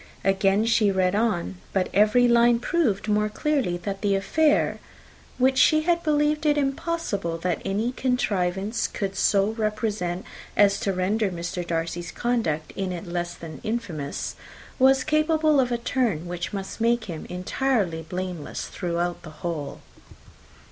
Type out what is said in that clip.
Again she read on. But every line proved more clearly that the affair, which she had believed it impossible that any contrivance could so represent as to render Mr. Darcy's conduct in it less than infamous, was capable of a turn which must make him entirely blameless throughout the whole.